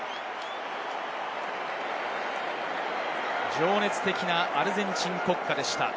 情熱的な『アルゼンチン国歌』でした。